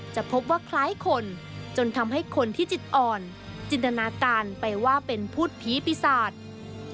จะพบว่าคล้ายคนจนทำให้คนที่จิตอ่อนจินตนาการไปว่าเป็นพูดผีปีศาจ